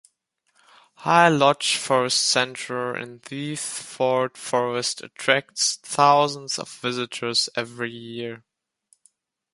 High Lodge Forest Centre in Thetford Forest attracts thousands of visitors every year.